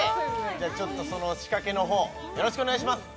じゃその仕掛けのほうよろしくお願いします